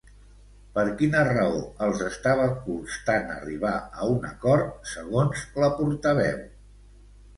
Per quina raó els estava costant arribar a un acord, segons la portaveu?